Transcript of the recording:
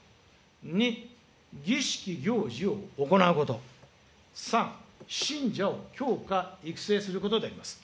２、儀式行事を行うこと、３、信者を教化育成することであります。